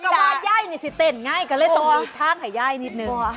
ก็เกิดว่ายายนี่สิเต้นน่ะก็เลยต้องมีทางให้ยายนิดหนึ่ง